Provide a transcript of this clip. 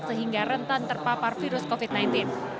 sehingga rentan terpapar virus covid sembilan belas